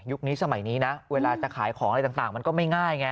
สมัยนี้นะเวลาจะขายของอะไรต่างมันก็ไม่ง่ายไง